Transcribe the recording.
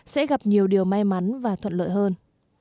sẽ gặp nhiều điều may mắn và thuận lợi hơn